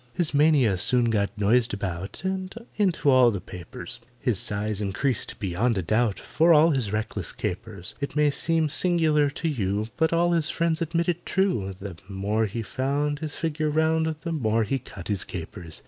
His mania soon got noised about And into all the papers; His size increased beyond a doubt For all his reckless capers: It may seem singular to you, But all his friends admit it true— The more he found His figure round, The more he cut his capers.